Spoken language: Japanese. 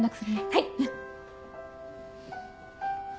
はい！